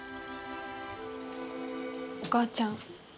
お母ちゃん